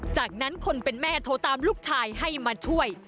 จากนั้นคนเป็นแม่โทรตามลูกชายให้มาช่วย